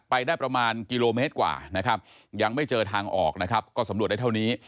ไปได้ประมาณกิโลเมตรกว่านะครับยังไม่เจอทางออกนะครับก็สำรวจได้เท่านี้